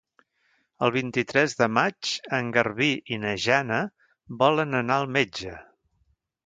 El vint-i-tres de maig en Garbí i na Jana volen anar al metge.